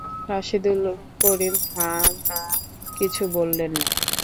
রাশেদুল করিম হা-না কিছু বললেন না।